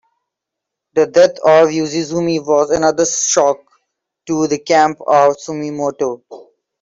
The death of Yoshizumi was another shock to the camp of Sumimoto.